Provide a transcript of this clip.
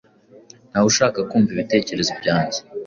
Ntawe ushaka kumva ibitekerezo byanjye.